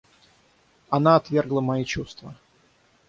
Она отвергла мои чувства.